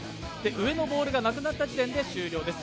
上のボールがなくなった時点で、終了です。